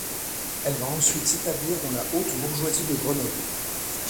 Elle va ensuite s'établir dans la haute bourgeoisie de Grenoble.